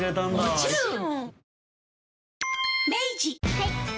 はい。